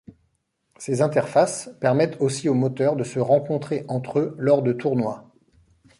Ces interfaces permettent aussi aux moteurs de se rencontrer entre eux lors de tournois.